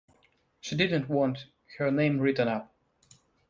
She didn’t want her name written up.